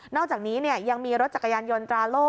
อกจากนี้ยังมีรถจักรยานยนต์ตราโล่